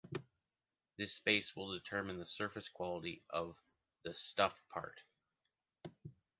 This space will determine the surface quality of the stuffed part.